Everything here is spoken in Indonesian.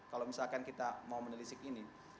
kalau misalkan kita mau menelisik ini